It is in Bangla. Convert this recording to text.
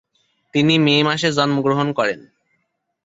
তিনি মে মাসে জন্মগ্রহণ করেন।